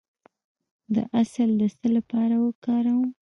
د عسل د څه لپاره وکاروم؟